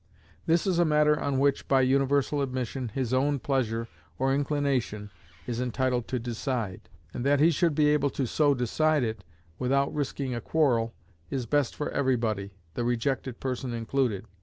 This is a matter on which, by universal admission, his own pleasure or inclination is entitled to decide; and that he should be able so to decide it without risking a quarrel is best for every body, the rejected person included.